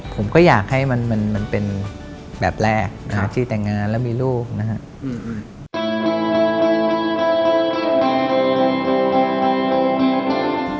ผมก็อยากให้มันเป็นแบบแรกนะครับที่แต่งงานแล้วมีลูกนะครับ